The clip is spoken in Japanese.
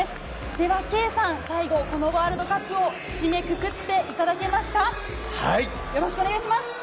では圭さん、最後、このワールドカップを締めくくっていただけまはい。